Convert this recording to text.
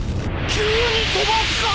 急に飛ばすか！？